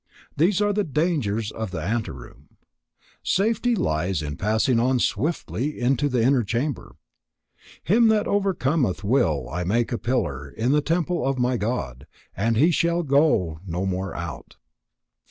These are the dangers of the anteroom. Safety lies in passing on swiftly into the inner chamber. "Him that overcometh will I make a pillar in the temple of my God, and he shall go no more out." 52.